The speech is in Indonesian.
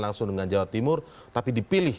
langsung dengan jawa timur tapi dipilih